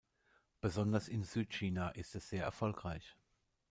Besonders in Südchina ist es sehr erfolgreich.